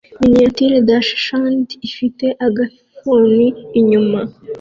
Miniature dachshund ifite agafuni inyuma